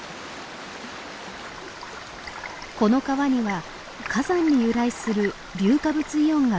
この川には火山に由来する硫化物イオンが溶け込んでいます。